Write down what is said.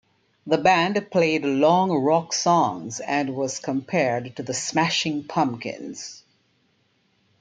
The band played long rock songs and was compared to The Smashing Pumpkins.